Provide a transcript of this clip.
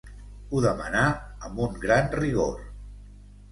Ho demanà amb un gran rigor.